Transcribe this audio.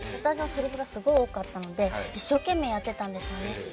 私のせりふがすごい多かったので一生懸命やってたんですね。